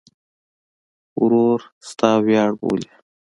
ورور د تا ویاړ بولې.